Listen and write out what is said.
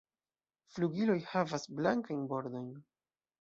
Flugiloj havas blankajn bordojn.